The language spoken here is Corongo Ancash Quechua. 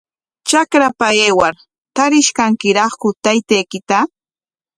Trakrapa aywar, ¿tarish kankiraqku taytaykita?